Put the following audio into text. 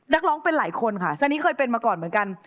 นักร้องเป็นหลายคนค่ะซานี่เคยเป็นมาก่อนเหมือนกัน